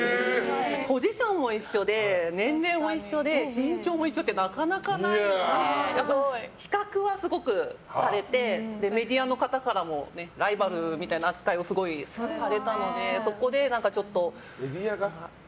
ポジションも一緒で年齢も一緒で身長も一緒ってなかなかないので比較はすごくされてメディアの方からもライバルみたいな扱いをすごいされたのでそこで何かちょっと。